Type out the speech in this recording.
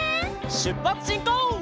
しゅっぱつしんこう！